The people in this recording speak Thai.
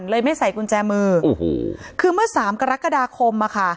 ไม่ใส่กุญแจมือโอ้โหคือเมื่อสามกรกฎาคมอะค่ะ